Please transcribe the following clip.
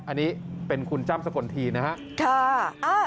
อันนี้เป็นคุณจ้ำสกลทีนะครับ